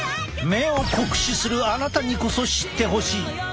目を酷使するあなたにこそ知ってほしい！